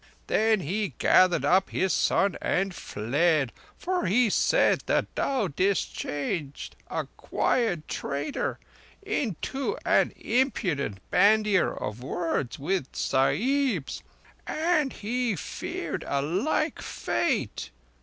Then he gathered up his son and fled; for he said that thou didst change a quiet trader into an impudent bandier of words with the Sahibs, and he feared a like fate.